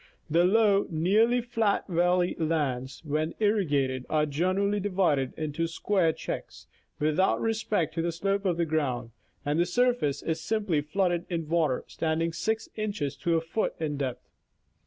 The low, nearly flat valley lands, when irrigated, are generally divided into square " checks," without respect to the slope of the ground, and the surface is simply flooded in water standing 6 inches to a foot in depth.